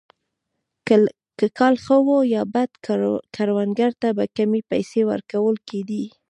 که کال ښه وو یا بد کروندګرو ته به کمې پیسې ورکول کېدې.